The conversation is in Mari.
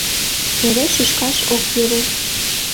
Эре шӱшкаш ок йӧрӧ.